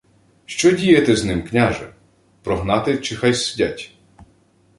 — Що діяти з ними, княже? Прогнати, чи хай сидять?